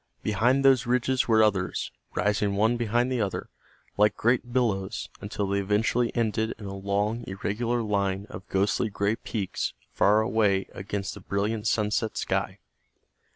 Behind those ridges were others, rising one behind the other, like great billows, until they eventually ended in a long, irregular line of ghostly gray peaks far away against the brilliant sunset sky.